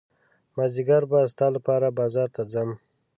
مازدیګر به ستا لپاره بازار ته ځم.